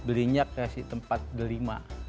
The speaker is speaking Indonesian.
belinya kasih tempat belima